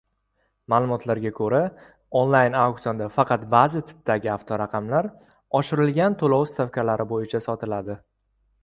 Maʼlumotlarga koʻra, onlayn auksionda faqat ba‘zi tipidagi avtoraqamlar oshirilgan toʻlov stavkalari boʻyicha sotiladi.